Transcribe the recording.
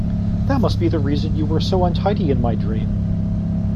That must be the reason you were so untidy in my dream